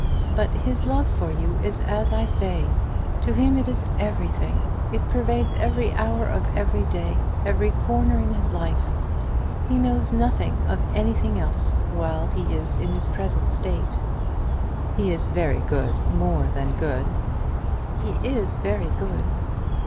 But his love for you is as I say. To him it is everything. It pervades every hour of every day, every corner in his life! He knows nothing of anything else while he is in his present state." "He is very good; more than good." "He is very good."